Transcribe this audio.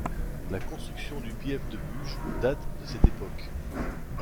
La construction du bief de Buges date de cette époque.